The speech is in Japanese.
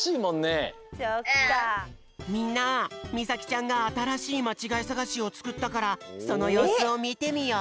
みんなみさきちゃんがあたらしいまちがいさがしをつくったからそのようすをみてみよう！